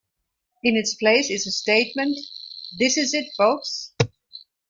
In its place is a statement, This is it, folks.